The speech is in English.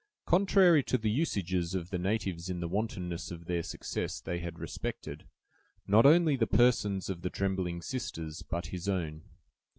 Contrary to the usages of the natives in the wantonness of their success they had respected, not only the persons of the trembling sisters, but his own.